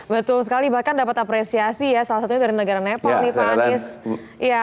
betul sekali bahkan dapat apresiasi ya salah satunya dari negara nepok nih pak anies